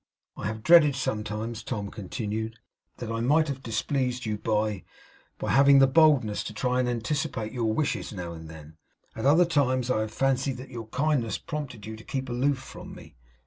'I have dreaded sometimes,' Tom continued, 'that I might have displeased you by by having the boldness to try and anticipate your wishes now and then. At other times I have fancied that your kindness prompted you to keep aloof from me.